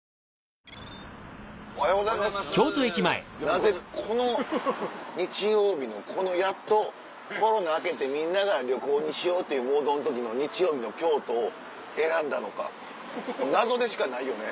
なぜこの日曜日のこのやっとコロナ明けてみんなが旅行にしようっていうモードの時の日曜日の京都を選んだのか謎でしかないよね。